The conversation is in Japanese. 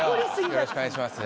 よろしくお願いします。